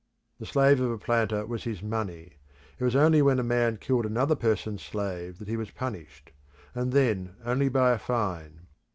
The slave of a planter was "his money" it was only when a man killed another person's slave that he was punished; and then only by a fine.